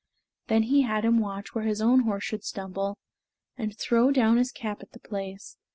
Then he had him watch where his own horse should stumble and throw down his cap at the place.